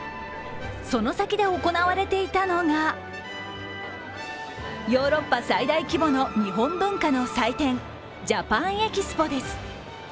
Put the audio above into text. その先で行われていたのがヨーロッパ最大規模の日本文化の祭典、ジャパンエキスポです。